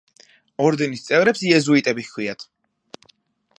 ორდენის წევრებს იეზუიტები ჰქვიათ.